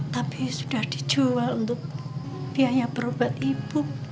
tapi sudah dijual untuk biaya berobat ibu